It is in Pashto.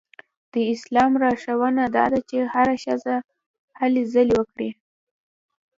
د اسلام لارښوونه دا ده چې هره ښځه هلې ځلې وکړي.